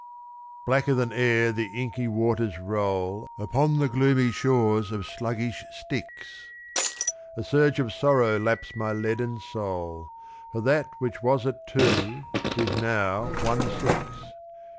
WOOL IS DOWN. Blacker than 'eer the inky waters roll Upon the gloomy shores of sluggish Styx, A surge of sorrow laps my leaden soul, For that which was at "two" is now "one six."